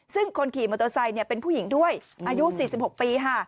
ซึ่งคนขี่มอเตอร์ไซค์เป็นผู้หญิงด้วยอายุ๔๖ปี